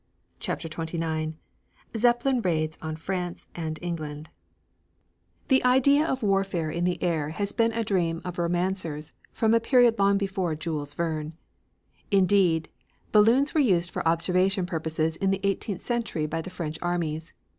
CHAPTER XXIX ZEPPELIN RAIDS ON FRANCE AND ENGLAND The idea of warfare in the air has been a dream of romancers from a period long before Jules Verne. Indeed, balloons were used for observation purposes in the eighteenth century by the French armies.